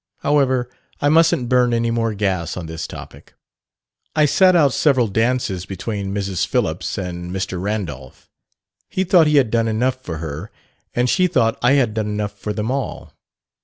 However, I mustn't burn any more gas on this topic. "I sat out several dances between Mrs. Phillips and Mr. Randolph. He thought he had done enough for her, and she thought I had done enough for them all.